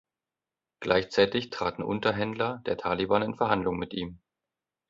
Gleichzeitig traten Unterhändler der Taliban in Verhandlungen mit ihm.